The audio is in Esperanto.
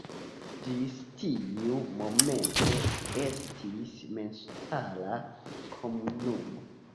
Ĝis tiu momento ĝi estis memstara komunumo.